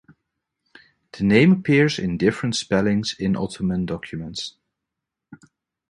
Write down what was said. The name appears in different spellings in Ottoman documents.